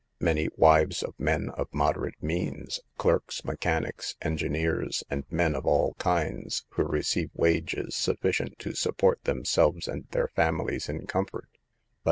Many wives of men of moderate means— clerks, mechanics, engineers, and men of all kinds, who receive wages sufficient to support themselves and their families in comfort, but n.